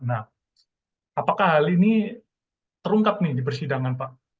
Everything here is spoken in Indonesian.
nah apakah hal ini terungkap nih di persidangan pak